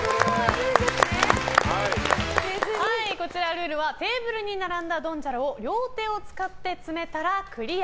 ルールはテーブルに並んだドンジャラを両手を使って積めたらクリア。